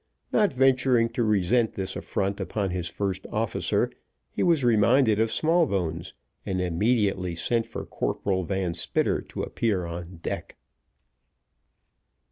Not venturing to resent this affront upon his first officer, he was reminded of Smallbones, and immediately sent for Corporal Van Spitter to appear on deck.